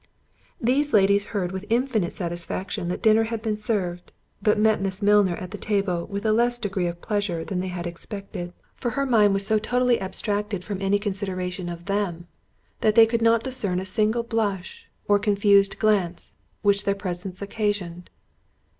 These ladies heard with infinite satisfaction that dinner had been served, but met Miss Milner at the table with a less degree of pleasure than they had expected; for her mind was so totally abstracted from any consideration of them, that they could not discern a single blush, or confused glance, which their presence occasioned.